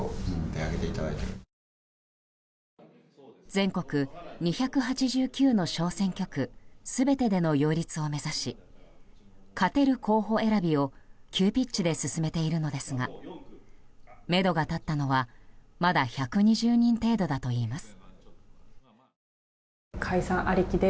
全国２８９の小選挙区全てでの擁立を目指し勝てる候補選びを急ピッチで進めているのですがめどが立ったのはまだ１２０人程度だといいます。